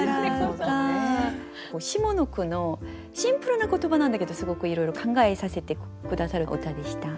下の句のシンプルな言葉なんだけどすごくいろいろ考えさせて下さる歌でした。